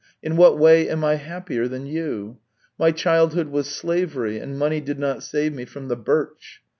In what way am I happier than you ? My childhood was slavery, and money did not save me from the birch.